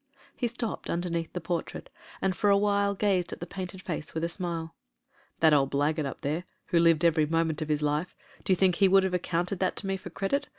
He stopped underneath the portrait and for a while gazed at the painted face with a smile. "That old blackguard up there — who lived every moment of his life— do you think he would have ac counted that to me for credit?